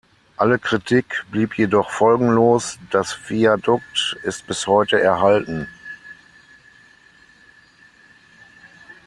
Alle Kritik blieb jedoch folgenlos, das Viadukt ist bis heute erhalten.